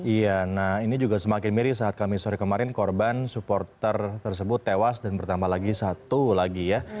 iya nah ini juga semakin miris saat kami sore kemarin korban supporter tersebut tewas dan bertambah lagi satu lagi ya